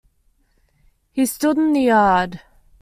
He stood in the yard.